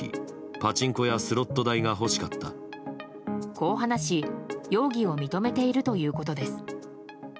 こう話し、容疑を認めているということです。